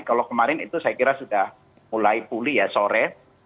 kalau kemarin itu saya kira sudah mulai pulih ya sore